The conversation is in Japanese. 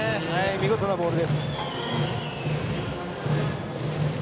見事なボールです。